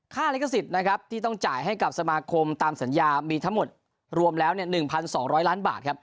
ค่าฤกษิตที่ต้องจ่ายให้กับสมาคมตามสัญญามาทั้งหมดรวมได้เป็น๑๒๐๐๐๐๐บาท